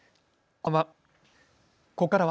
こんばんは。